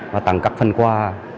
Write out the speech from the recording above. và tặng các phần qua